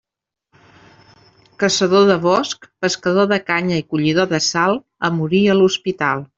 Caçador de bosc, pescador de canya i collidor de sal, a morir a l'hospital.